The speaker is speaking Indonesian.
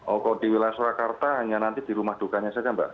oh kalau di wilayah surakarta hanya nanti di rumah dukanya saja mbak